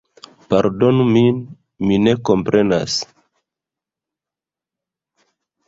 Pardonu min, mi ne komprenas